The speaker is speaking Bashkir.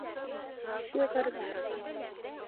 Шиғырҙар.